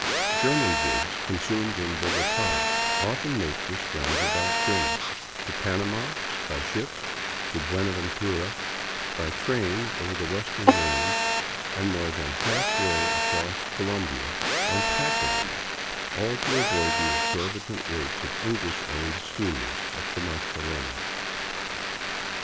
German goods consumed in Bogota often make this round about journey, — to Panama, by ship to Buenaventura, by train over the western range, and more than half way across Colombia on pack animals, all to avoid the exorbitant rates of English owned steamers up the Magdalena.